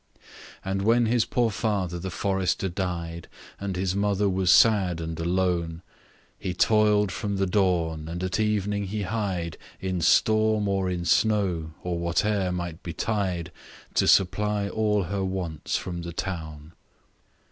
And when his poor father the forester died, And his mother was sad, and alone, He toil'd from the dawn, and at evening he hied In storm or in snow, or whate'er might betide, To supply all her wants from the town.